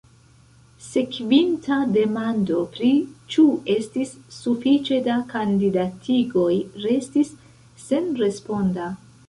Sekvinta demando pri ĉu estis sufiĉe da kandidatigoj restis senresponda.